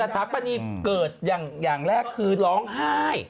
ถาปนีเกิดอย่างแรกคือร้องไห้